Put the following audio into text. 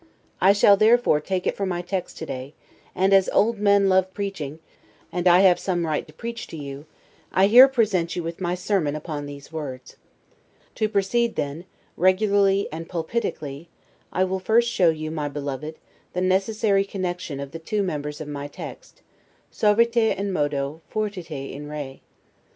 I shall therefore take it for my text to day, and as old men love preaching, and I have some right to preach to you, I here present you with my sermon upon these words. To proceed, then, regularly and PULPITICALLY, I will first show you, my beloved, the necessary connection of the two members of my text 'suaviter in modo: fortiter in re'.